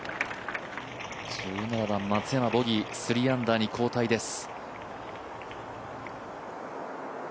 １７番松山ボギー３アンダーに後退です。